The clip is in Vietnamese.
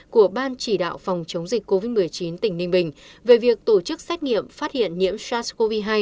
của ban chỉ đạo phòng chống dịch covid một mươi chín tỉnh ninh bình về việc tổ chức xét nghiệm phát hiện nhiễm sars cov hai